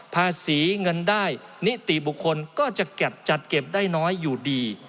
ภาษีเงินได้นิติบุคคลก็จะจัดเก็บได้น้อยอยู่ดี